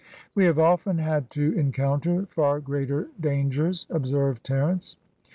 "We have often had to encounter far greater dangers," observed Terence.